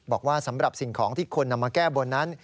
บอกว่าสำหรับสิ่งของที่คนนำมาแก้บนนั้น